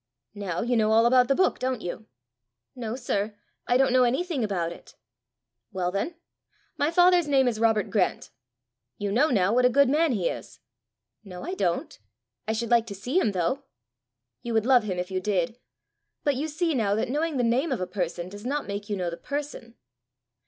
"Now you know all about the book, don't you?" "No, sir; I don't know anything about it." "Well then, my father's name is Robert Grant: you know now what a good man he is!" "No, I don't. I should like to see him though!" "You would love him if you did! But you see now that knowing the name of a person does not make you know the person."